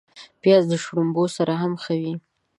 پیاز د شړومبو سره هم ښه وي